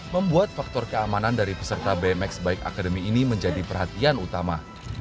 membuat faktor keamanan dari peserta bmx bike academy ini menjadi perhatian utama